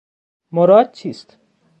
مراد چیست